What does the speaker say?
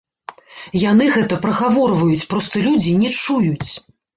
Яны гэта прагаворваюць, проста людзі не чуюць.